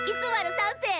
３世。